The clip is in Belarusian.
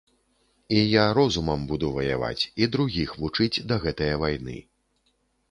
І я розумам буду ваяваць і другіх вучыць да гэтае вайны.